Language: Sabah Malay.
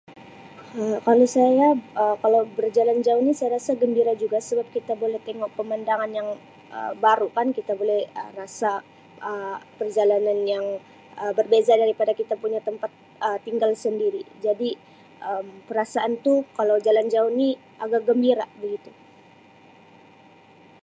Um Kalau saya Um kalau berjalan jauh ni saya rasa gembira juga sebab kita boleh tengok pemandangan yang Um baru kan kita boleh rasa Um perjalanan yang Um berbeza daripada kita punya tempat Um tinggal sendiri jadi Um perasaan tu kalau jalan jauh ni agak gembira begitu.